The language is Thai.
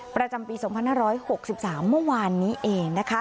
ประจำปี๒๕๖๓เมื่อวานนี้เองนะคะ